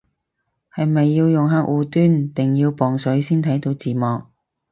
係咪要用客戶端定要磅水先睇到字幕